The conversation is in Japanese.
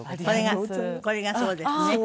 これがそうですね。